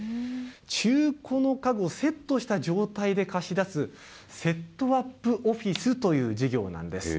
中古の家具をセットした状態で貸し出す、セットアップオフィスという事業なんです。